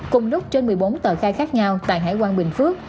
cùng lúc trên một mươi bốn tờ khai khác nhau tại hải quan bình phước